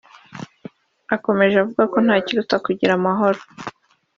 yakomeje avuga ko nta kiruta kugira amahoro